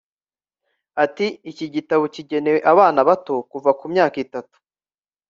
Ati “Iki gitabo kigenewe abana bato kuva ku w’imyaka itatu